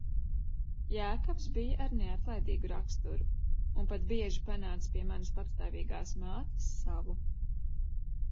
Jēkabs bija ar neatlaidīgu raksturu un pat bieži panāca pie manas patstāvīgās mātes savu.